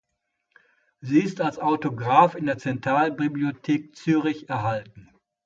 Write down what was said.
Sie ist als Autograph in der Zentralbibliothek Zürich erhalten.